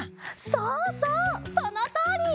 そうそうそのとおり！